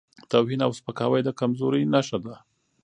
توهین او سپکاوی د کمزورۍ نښه ده.